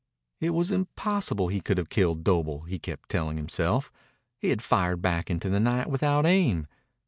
It was impossible he could have killed Doble, he kept telling himself. He had fired back into the night without aim.